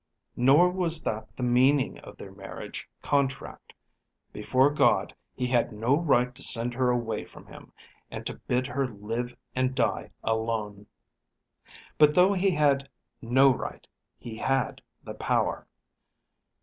Nor was that the meaning of their marriage contract. Before God he had no right to send her away from him, and to bid her live and die alone. But though he had no right he had the power.